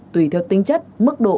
tùy theo tinh chất mức độ